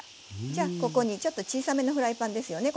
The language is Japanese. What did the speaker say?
じゃあここにちょっと小さめのフライパンですよね